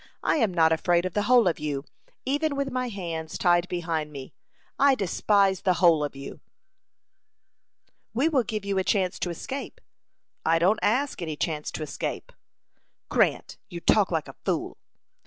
I am not afraid of the whole of you, even with my hands tied behind me. I despise the whole of you." "We will give you a chance to escape." "I don't ask any chance to escape." "Grant, you talk like a fool."